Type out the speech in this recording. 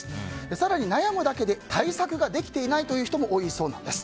更に悩むだけで対策ができていない人も多いそうです。